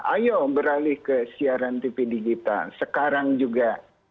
ayo beralih ke siaran tv digital sekarang juga